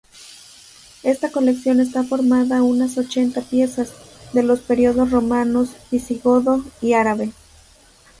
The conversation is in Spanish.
Esta colección está formada unas ochenta piezas, de los periodos romano, visigodo y árabe.